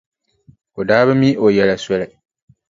O daa bi mi o yɛla soli.